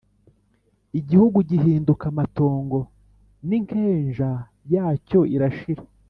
igihugu gihinduka amatongo n’inkenja yacyo irashira